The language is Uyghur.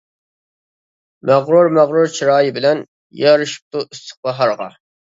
مەغرۇر مەغرۇر چىرايى بىلەن، يارىشىپتۇ ئىسسىق باھارغا.